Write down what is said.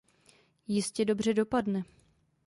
Jistě dobře dopadne.